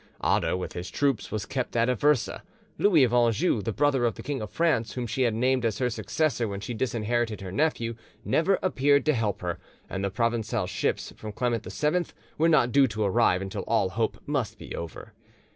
Otho with his troops was kept at Aversa; Louis of Anjou, the brother of the King of France whom she had named as her successor when she disinherited her nephew, never appeared to help her, and the Provencal ships from Clement VII were not due to arrive until all hope must be over.